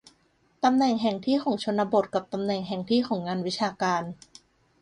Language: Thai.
ตำแหน่งแห่งที่ของชนบท กับตำแหน่งแห่งที่ของงานวิชาการ